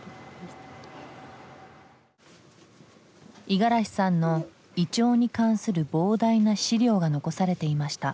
五十嵐さんのイチョウに関する膨大な資料が残されていました。